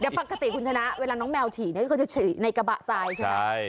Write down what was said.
พกติคุณชนะเวลาน้องแม่วฉี่เขาจะฉี่ในกระบะซายใช่มั้ย